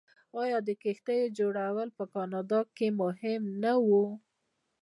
آیا د کښتیو جوړول په کاناډا کې مهم نه و؟